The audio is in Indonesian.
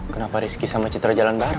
kenapa rizky sama citra jalan bareng